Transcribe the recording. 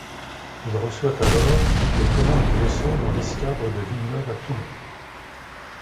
Il reçoit alors les commandes du vaisseau dans l'escadre de Villeneuve à Toulon.